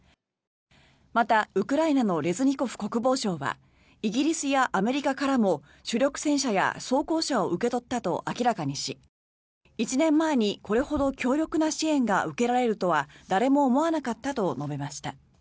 また、ウクライナのレズニコフ国防相はイギリスやアメリカからも主力戦車や装甲車を受け取ったと明らかにし１年前にこれほど強力な支援が受けられるとは誰も思わなかったと述べました。